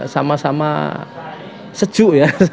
sama sama sejuk ya